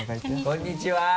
「こんにちは」